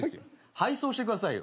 配送してくださいよ。